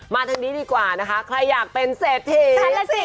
ทางนี้ดีกว่านะคะใครอยากเป็นเศรษฐี